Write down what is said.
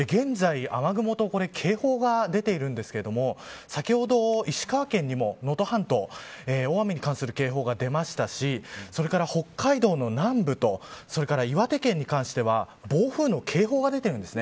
現在、雨雲と警報が出ているんですけれども先ほど、石川県にも能登半島大雨に関する警報が出ましたしそれから北海道の南部とそれから、岩手県に関しては暴風の警報が出てるんです。